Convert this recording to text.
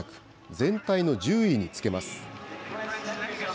全体の１０位につけます。